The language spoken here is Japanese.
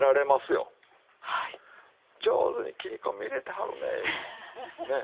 上手に切り込み入れてはるね言うて。